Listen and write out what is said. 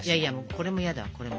これも嫌だこれも。